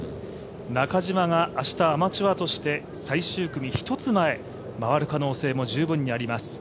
中島が明日、アマチュアとして最終組１つ前を回る可能性も十分あります。